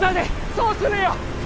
そうするよ